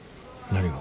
何が？